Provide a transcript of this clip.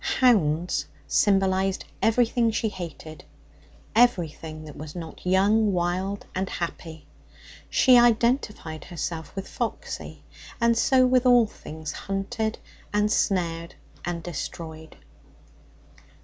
Hounds symbolized everything she hated, everything that was not young, wild and happy. She identified herself with Foxy, and so with all things hunted and snared and destroyed.